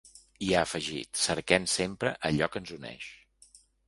I ha afegit: Cerquem sempre allò que ens uneix.